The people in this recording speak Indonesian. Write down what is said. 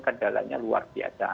kendalanya luar biasa